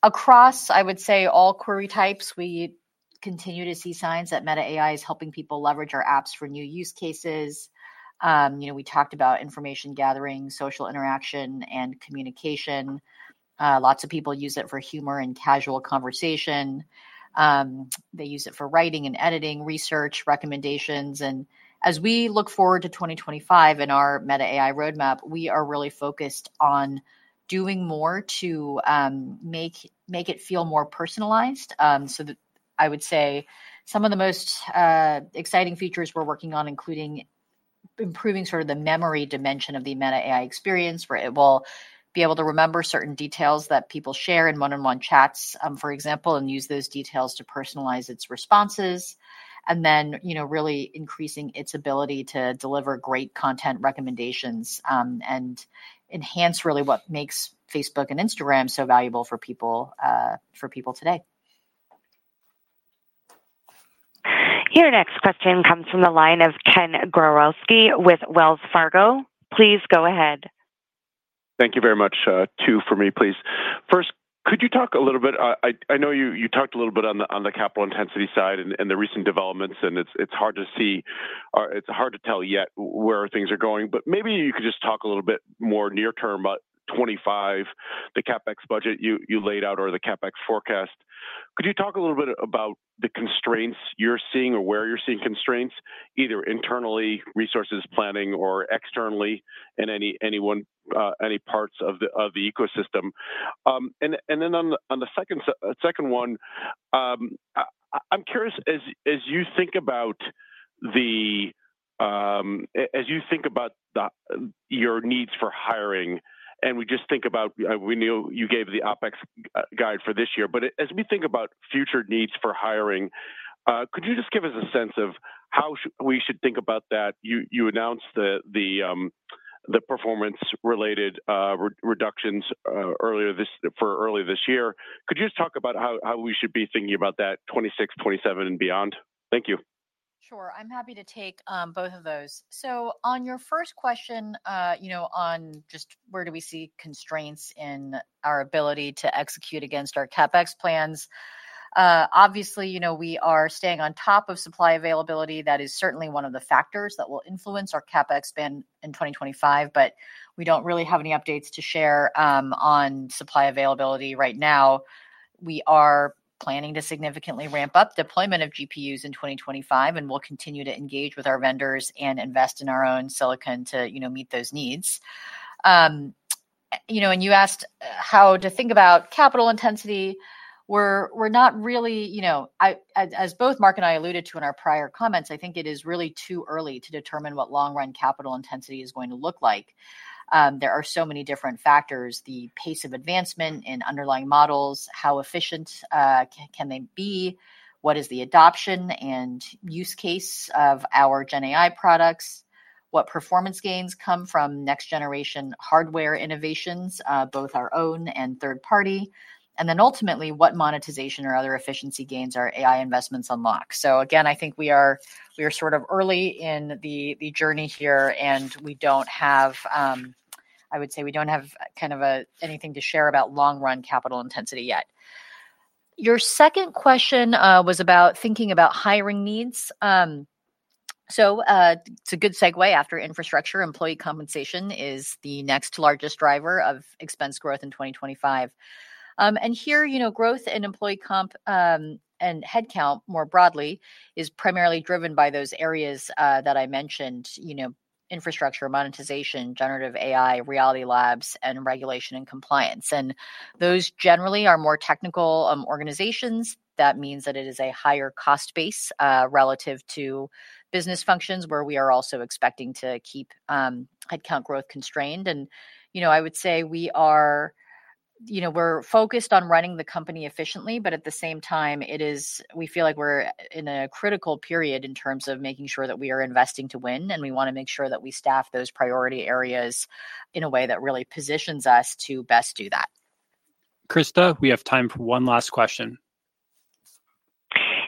Across, I would say all query types, we continue to see signs that Meta AI is helping people leverage our apps for new use cases. You know, we talked about information gathering, social interaction and communication. Lots of people use it for humor and casual conversation. They use it for writing and editing, research recommendations, and as we look forward to 2025, in our Meta AI roadmap, we are really focused on doing more to make it feel more personalized. I would say some of the most exciting features we're working on, including improving the memory dimension of the Meta AI experience where it will be able to remember certain details that people share in one-on-one chats, for example, and use those details to personalize its responses. Then really increasing its ability to deliver great content recommendations and enhance really what makes Facebook and Instagram so valuable for people today. Your next question comes from the line of Ken Gawrelski with Wells Fargo. Please go ahead. Thank you very much. Two for me please. First, could you talk a little bit? I know you talked a little bit on the capital intensity side and the recent developments, and it's hard to see, it's hard to tell yet where things are going, but maybe you could just talk a little bit more near term, the CapEx budget you laid out or the CapEx forecast? Could you talk a little bit about the constraints you're seeing or where you're seeing constraints, either internally resources planning or externally in any parts of the ecosystem. Then on the second one, I'm curious as you think about your needs for hiring, and we knew you gave the OpEx guide for this year, but as we think about future needs for hiring, could you just give us a sense of how we should think about that? You announced the performance-related reductions earlier this year. Could you just talk about how we should be thinking about that, 2026, 2027 and beyond? Thank you. Sure. I'm happy to take both of those, so on your first question, you know, on just where do we see constraints in our ability to execute against our CapEx plans, obviously, you know, we are staying on top of supply availability. That is certainly one of the factors that will influence our CapEx spend in 2025. But we don't really have any updates to share on supply availability right now. We are planning to significantly ramp up deployment of GPUs in 2025 and we'll continue to engage with our vendors and invest in our own silicon to, you know, meet those needs, you know, and you asked how to think about capital intensity. We're not really, you know, as both Mark and I alluded to in our prior comments, I think it is really too early to determine what long run capital intensity is going to look like. There are so many different factors. The pace of advancement in underlying models, how efficient can they be, what is the adoption and use case of our gen products? What performance gains come from next generation hardware innovations, both our own and third party, and then ultimately what monetization or other efficiency gains our AI investments unlock? So again, I think we are, we are sort of early in the journey here and we don't have, I would say we don't have kind of anything to share about long run capital intensity yet. Your second question was about thinking about hiring needs. So it's a good segue. After infrastructure. Employee compensation is the next largest driver of expense growth in 2025. And here, you know, growth in employee comp and headcount more broadly is primarily driven by those areas that I mentioned. You know, infrastructure, monetization, generative AI, Reality Labs, and regulation and compliance, and those generally are more technical organizations. That means that it is a higher cost base relative to business functions where we are also expecting to keep headcount growth constrained. And you know, I would say we are, you know, we're focused on running the company efficiently but at the same time it is. We feel like we're in a critical period in terms of making sure that we are investing to win and we want to make sure that we staff those priority areas in a way that really positions us to best do that. Krista, we have time for one last question.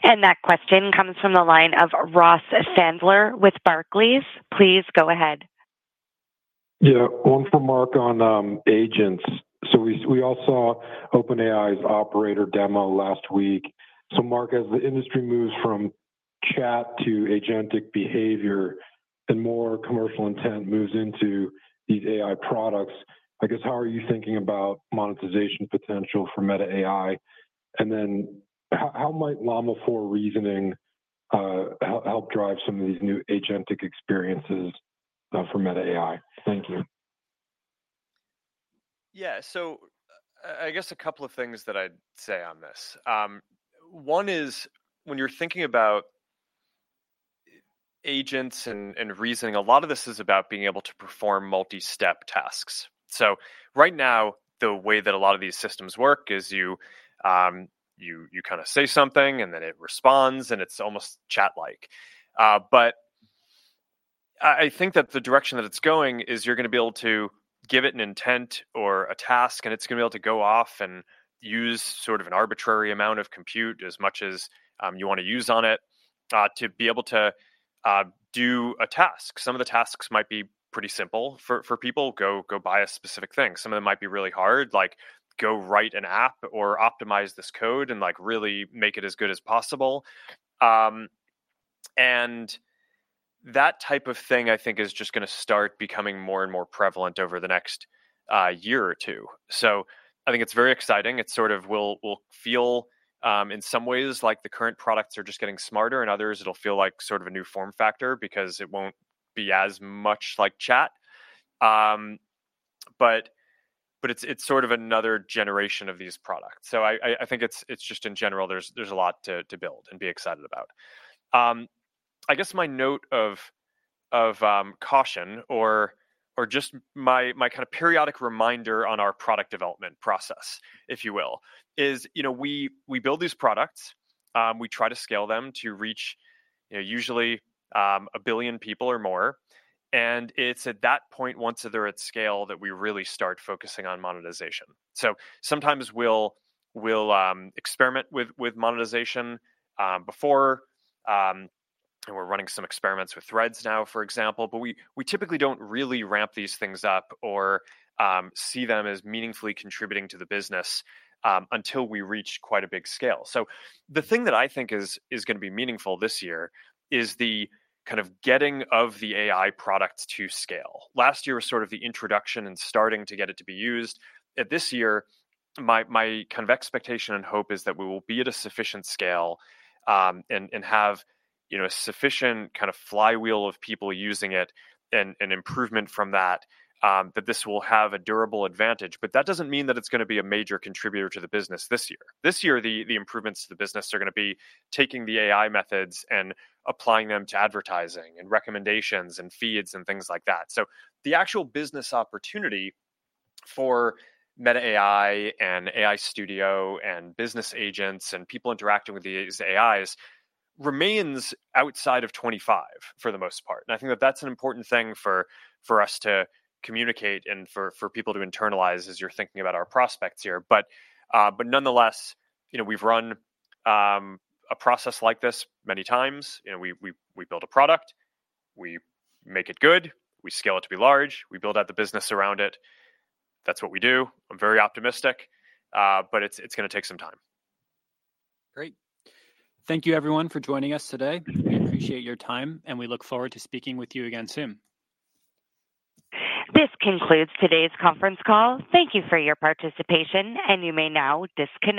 That question comes from the line of Ross Sandler with Barclays. Please go ahead. Yeah, one for Mark on agents. So we all saw OpenAI's Operator demo last week. So Mark, as the industry moves from chat to agentic behavior and more commercial intent moves into these AI products, I guess how are you thinking about monetization potential for Meta AI and then how might Llama 4 reasoning help drive some of these new agentic experiences for Meta AI? Thank you. Yeah, so I guess a couple of things that I'd say on this one is when you're thinking about agents and reasoning, a lot of this is about being able to perform multi-step tasks. So right now the way that a lot of these systems work is you kind of say something and then it responds and it's almost chat-like. But I think that the direction that it's going is you're going to be able to give it an intent or a task and it's going to be able to go off and use sort of an arbitrary amount of compute as much as you want to use on it to be able to do a task. Some of the tasks might be pretty simple for people, go buy a specific thing. Some of them might be really hard, like go write an app or optimize this code and really make it as good as possible, and that type of thing I think is just going to start becoming more and more prevalent over the next year or two, so I think it's very exciting. It sort of will feel in some ways like the current products are just getting smarter, and others it'll feel like sort of a new form factor because it won't be as much like Chat, but it's sort of another generation of these products, so I think it's just in general there's a lot to build and be excited about. I guess my note of caution or just my kind of periodic reminder on our product development process, if you will, is, you know, we build these products, we try to scale them to reach, you know, usually a billion people or more, and it's at that point, once they're at scale, that we really start focusing on monetization. So sometimes we'll experiment with monetization before and we're running some experiments with Threads now, for example, but we typically don't really ramp these things up or see them as meaningfully contributing to the business until we reach quite a big scale, so the thing that I think is going to be meaningful this year is the kind of getting of the AI products to scale. Last year was sort of the introduction and starting to get it to be used at this year. My kind of expectation and hope is that we will be at a sufficient scale and have, you know, a sufficient kind of flywheel of people using it and an improvement from that, that this will have a durable advantage. But that doesn't mean that it's going to be a major contributor to the business this year. This year the improvements to the business are going to be taking the AI methods and applying them to advertising and recommendations and feeds and things like that. So the actual business opportunity for Meta AI and AI Studio and business agents and people interacting with these AIs remains outside of 2025 for the most part. And I think that that's an important thing for us to communicate and for people to internalize as you're thinking about our prospects here. But nonetheless, you know, we've run a process like this many times. You know, we build a product, we make it good, we scale it to be large, we build out the business around it. That's what we do. I'm very optimistic, but it's going to take some time. Great. Thank you everyone for joining us today. We appreciate your time, and we look forward to speaking with you again soon. This concludes today's conference call. Thank you for your participation, and you may now disconnect.